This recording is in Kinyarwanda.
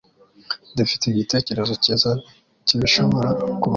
Dufite igitekerezo cyiza cyibishobora kubaho.